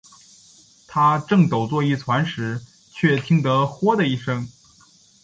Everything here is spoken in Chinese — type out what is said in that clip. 他正抖作一团时，却听得豁的一声